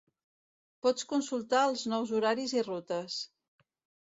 Pots consultar els nous horaris i rutes.